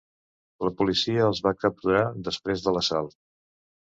La policia els va capturar després de l'assalt.